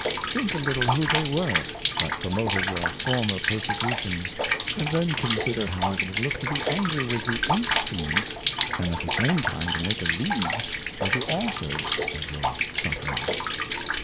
/ Think a little who they were that promoted your former Persecutions, and then consider how it will look to be angry with the Instruments, and at the same time to make a League with the Authors of your Sufferings.